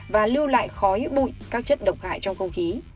và lưu lại khói bụi các chất độc hại trong không khí